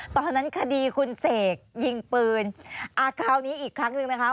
ตอนนั้นคดีคุณเสกยิงปืนอ่าคราวนี้อีกครั้งหนึ่งนะคะ